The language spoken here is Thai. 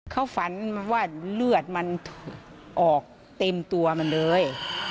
เขาฝันว่าเลือดมันออกเต็มตัวมันเลย